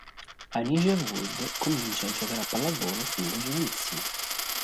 Anicia Wood comincia a giocare a pallavolo fin da giovanissima.